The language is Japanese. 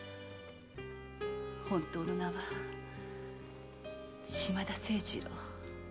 本当の名は島田清次郎。